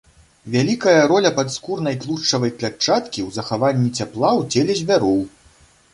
Вялікая роля падскурнай тлушчавай клятчаткі ў захаванні цяпла ў целе звяроў.